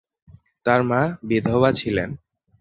তার মা বিধবা ছিলেন।